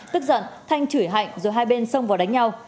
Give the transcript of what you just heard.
tức giận thanh chửi hạnh rồi hai bên xông vào đánh nhau